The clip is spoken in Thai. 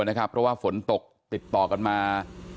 เพราะว่าฝนตกติดต่อกันมา